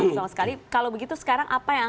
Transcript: sama sekali kalau begitu sekarang apa yang